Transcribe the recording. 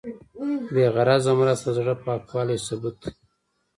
بېغرضه مرسته د زړه پاکوالي ثبوت دی.